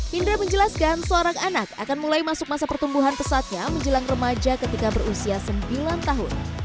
hindra menjelaskan seorang anak akan mulai masuk masa pertumbuhan pesatnya menjelang remaja ketika berusia sembilan tahun